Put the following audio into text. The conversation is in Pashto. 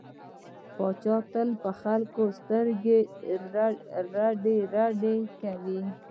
پاچا تل په خلکو سترګې رډې رډې کوي.